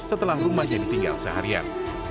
setelah rumahnya ditinggal seharian